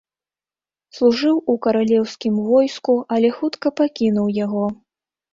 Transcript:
Служыў у каралеўскім войску, але хутка пакінуў яго.